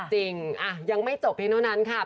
จริงยังไม่จบเพียงเท่านั้นค่ะ